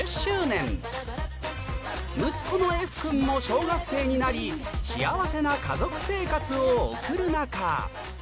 福君も小学生になり幸せな家族生活を送る中